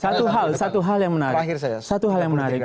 satu hal satu hal yang menarik